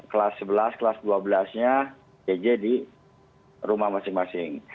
kelas sebelas kelas dua belas nya pjj di rumah masing masing